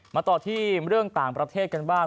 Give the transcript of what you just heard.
มาต่อที่เรื่องต่างประเทศกันบ้าง